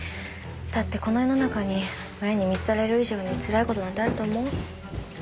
だってこの世の中に親に見捨てられる以上につらい事なんてあると思う？